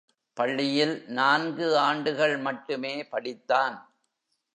பள்ளியில் நான்கு ஆண்டுகள் மட்டுமே படித்தான்.